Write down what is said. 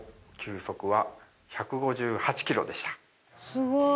すごい！